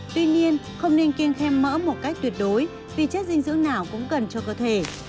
tuy nhiên không nên kiêng mỡ một cách tuyệt đối vì chất dinh dưỡng nào cũng cần cho cơ thể